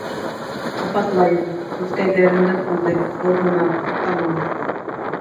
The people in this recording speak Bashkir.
Ҡабатлайым, күҙкәйҙәремдең күҙе, был һунар — тамам.